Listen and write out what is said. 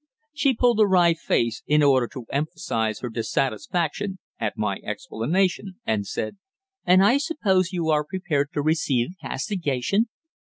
She pulled a wry face, in order to emphasise her dissatisfaction at my explanation, and said: "And I suppose you are prepared to receive castigation?